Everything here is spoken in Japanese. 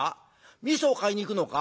みそを買いに行くのか？」。